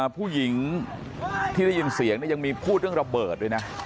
ผู้หญิงที่ได้ยินเสียงยังมีพูดเรื่องระเบิดด้วยนะ